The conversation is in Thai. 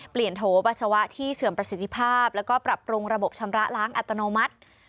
โถปัสสาวะที่เสื่อมประสิทธิภาพแล้วก็ปรับปรุงระบบชำระล้างอัตโนมัติ